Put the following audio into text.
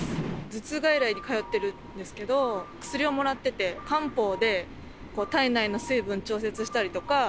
頭痛外来に通ってるんですけど、薬をもらってて、漢方で体内の水分を調節したりとか。